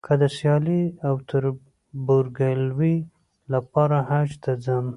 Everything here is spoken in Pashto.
که د سیالۍ او تربورګلوۍ لپاره حج ته ځم.